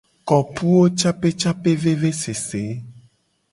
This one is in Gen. Kopuwocapecapevevesese.